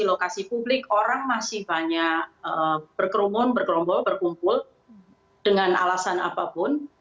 di lokasi publik orang masih banyak berkerumun berkerombol berkumpul dengan alasan apapun